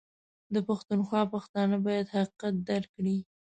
ده پښتونخوا پښتانه بايد حقيقت درک کړي